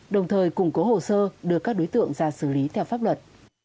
đồng thời củng cố hồ sơ đưa các đối tượng ra xử lý theo pháp luật